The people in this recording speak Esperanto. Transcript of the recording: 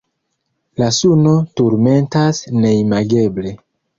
La suno turmentas neimageble.